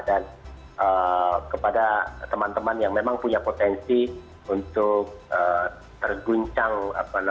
dan kepada teman teman yang memang punya potensi untuk terguncang psikologisnya